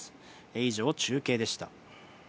以上、中継でした。